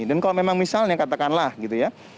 dan kalau memang misalnya katakanlah gitu ya